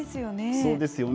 そうですよね。